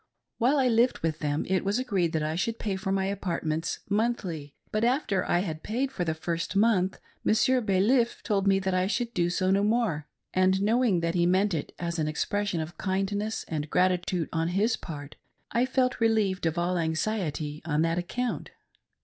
While I lived with them, it was agreed that I should pay for my apartments monthly ; but after I had paid for the first month, Monsieur Balif told me that I should do so no more; and knowing that he meant it as an expression of kindness and gratitude on his part, I felt relieved of all anxiety on that account.